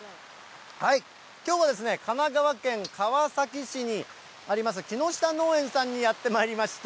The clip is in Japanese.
きょうは神奈川県川崎市にあります、木下農園さんにやってまいりました。